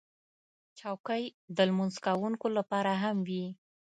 چوکۍ د لمونځ کوونکو لپاره هم وي.